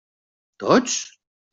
Tots?